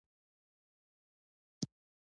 د هرات په کهسان کې د ګچ نښې شته.